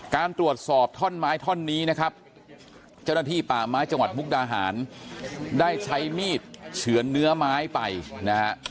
การตรวจสอบท่อนไม้ท่อนนี้นะครับเจ้าหน้าที่ป่าไม้จังหวัดมุกดาหารได้ใช้มีดเฉือนเนื้อไม้ไปนะฮะ